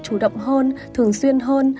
chủ động hơn thường xuyên hơn